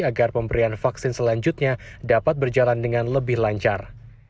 agar pemberian vaksin selanjutnya dapat berjalan dengan lebih lancar